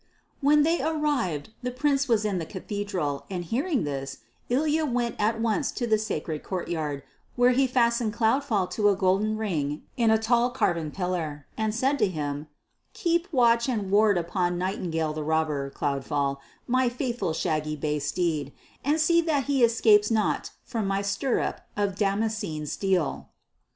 When they arrived the Prince was in the cathedral, and hearing this, Ilya went at once to the sacred courtyard, where he fastened Cloudfall to a golden ring in a tall carven pillar, and said to him, "Keep watch and ward upon Nightingale the Robber, Cloudfall, my faithful shaggy bay steed, and see that he escapes not from my stirrup of damascened steel."